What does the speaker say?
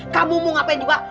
kamu mau ngapain juga